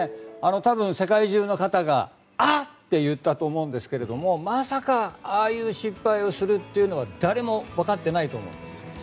多分、世界中の方があっ！って言ったと思うんですがまさか、ああいう失敗をするとは誰も分かっていないと思います。